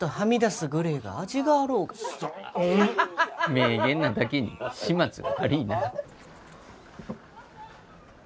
名言なだけに始末が悪いな。